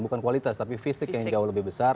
bukan kualitas tapi fisik yang jauh lebih besar